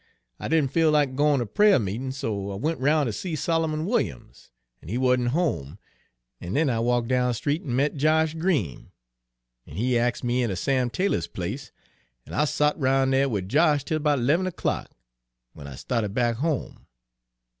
I didn' feel like gwine ter prayer meetin', so I went roun' ter see Solomon Williams, an' he wa'n't home, an' den I walk' down street an' met Josh Green, an' he ax' me inter Sam Taylor's place, an' I sot roun' dere wid Josh till 'bout 'leven o'clock, w'en I sta'ted back home.